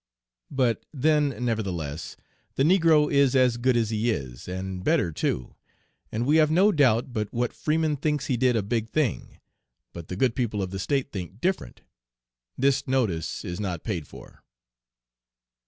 But then, nevertheless, the negro is as good as he is, and better too, and we have no doubt but what Freeman thinks he did a big thing, but the good people of the State think different. This notice is not paid for."